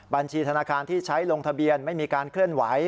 บัญชีธนาคารที่ใช้ลงทะเบียนไม่มีการเคลื่อนไหว